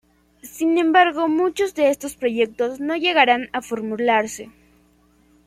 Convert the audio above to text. Sin embargo muchos de estos proyectos no llegarán a formularse.